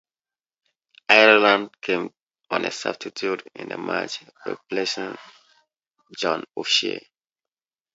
Ireland came on a substitute in the match, replacing John O'Shea.